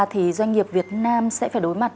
thì doanh nghiệp việt nam sẽ phải đối mặt